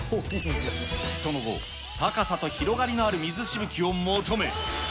その後、高さと広がりのある水しぶきを求め。